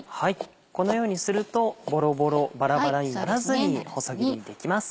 このようにするとボロボロバラバラにならずに細切りにできます。